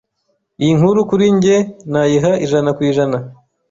Iyi nkuru kuri njye nayiha ijana kw’ijana